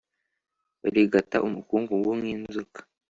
Barigata umukungugu nk inzoka